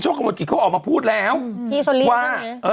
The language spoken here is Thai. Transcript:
โชคเขาเป็นเมื่อกี้เขาออกมาพูดแล้วพี่น่ะเนี้ย